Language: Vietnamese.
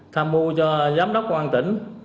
tham mưu cho giám đốc quân an tỉnh